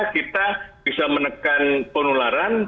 kita bisa menekan penularan